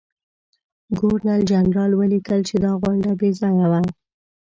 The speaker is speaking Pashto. ګورنرجنرال ولیکل چې دا غونډه بې ځایه وه.